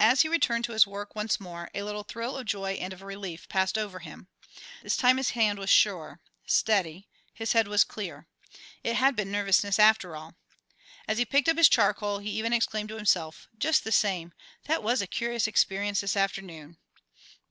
As he turned to his work once more a little thrill of joy and of relief passed over him. This time his hand was sure, steady, his head was clear. It had been nervousness after all. As he picked up his charcoal he even exclaimed to himself, "Just the same, that was a curious experience this afternoon."